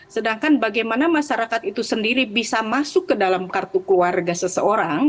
sedangkan bagaimana masyarakat itu sendiri bisa masuk ke dalam kartu keluarga seseorang